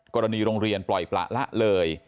กรณีโรงเรียนปล่อยประละเลย